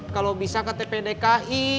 kalau bisa ktp dki